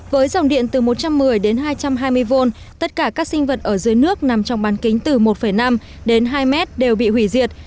với dòng điện từ một trăm một mươi đến hai trăm hai mươi v tất cả các sinh vật ở dưới nước nằm trong bán kính từ một năm đến hai mét đều bị hủy diệt